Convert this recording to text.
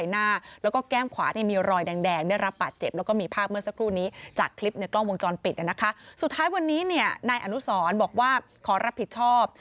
นายอนุสรบอกว่าขอรับผิดชอบ